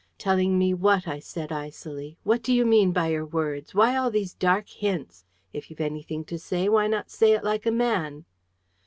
"Telling me WHAT?" I said icily. "What do you mean by your words? Why all these dark hints? If you've anything to say, why not say it like a man?"